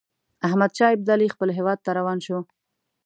احمدشاه ابدالي خپل هیواد ته روان شو.